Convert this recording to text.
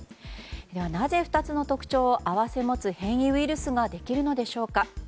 ではなぜ２つの特徴を併せ持つ変異ウイルスができるのでしょうか。